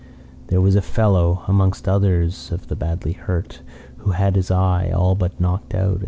There was a fellow (amongst others of the badly hurt) who had had his eye all but knocked out.